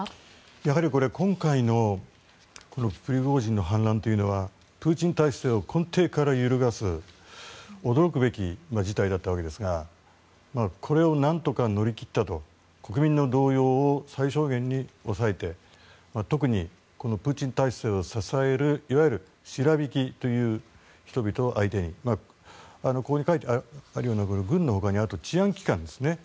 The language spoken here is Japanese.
やはり今回のプリゴジンの反乱というのはプーチン体制を根底から揺るがす驚くべき事態だったわけですがこれを何とか乗り切ったと国民の動揺を最小限に抑えて特にプーチン体制を支えるいわゆるシロヴィキといわれる人々に対してここに書いてあるような軍の他に治安機関ですね。